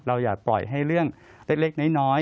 อย่าปล่อยให้เรื่องเล็กน้อย